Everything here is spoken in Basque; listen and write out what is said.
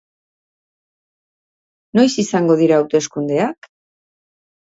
Noiz izango dira hauteskundeak?